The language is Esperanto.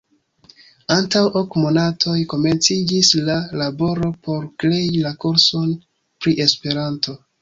Antaŭ ok monatoj komenciĝis la laboro por krei la kurson pri Esperanto.